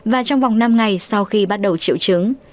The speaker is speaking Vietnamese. và trong vòng năm ngày sau khi bắt đầu triệu chứng